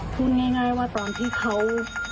พูดง่ายว่าตอนที่เขา